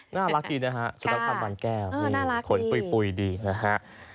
น่ารักดีนะฮะสุนัขความบรรแก้วขนปุ่ยดีนะฮะ